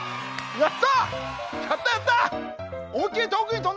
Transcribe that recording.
やった！